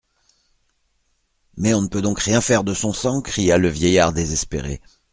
Mais on ne peut donc rien faire de son sang ? cria le vieillard désespéré.